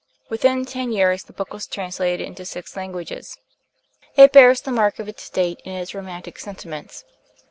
Within ten years the book was translated into six languages. It bears the mark of its date in its romantic sentiments.